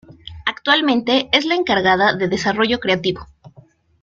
Actualmente es la encargada de desarrollo creativo.